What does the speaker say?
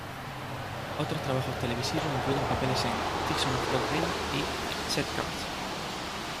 Otros trabajos televisivos incluyen papeles en "Dixon of Dock Green" y "Z-Cars".